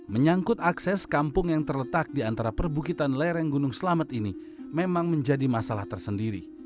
menyangkut akses kampung yang terletak di antara perbukitan lereng gunung selamet ini memang menjadi masalah tersendiri